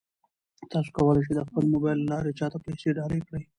تاسو کولای شئ د خپل موبایل له لارې چا ته پیسې ډالۍ کړئ.